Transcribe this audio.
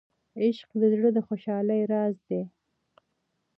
عشق د زړه د خوشحالۍ راز دی.